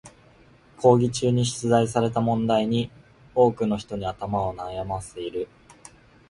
講義中に出題された問題に多くの人に頭を悩ませている。